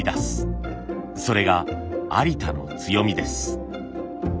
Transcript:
それが有田の強みです。